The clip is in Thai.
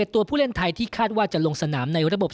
ตัวผู้เล่นไทยที่คาดว่าจะลงสนามในระบบ